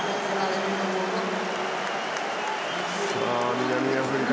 南アフリカ